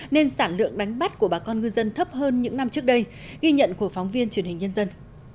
nên sản lượng đánh bắt của bà con ngư dân thấp hơn những năm trước đây ghi nhận của phóng viên truyền hình nhân dân